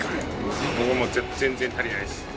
僕も全然足りないです